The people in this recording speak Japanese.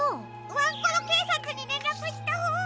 ワンコロけいさつにれんらくしたほうが。